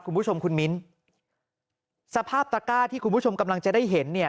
คุณผู้ชมคุณมิ้นสภาพตะก้าที่คุณผู้ชมกำลังจะได้เห็นเนี่ย